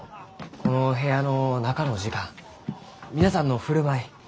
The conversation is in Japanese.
この部屋の中の時間皆さんの振る舞い